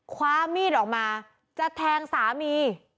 คว้ามีดออกมาจะแทงสามี